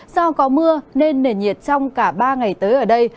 do có mưa nên nền nhiệt trong cả ba ngày tới ở đây